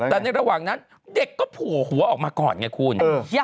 แต่ในระหว่างนั้นเด็กก็โผล่หัวออกมาก่อนไงคุณ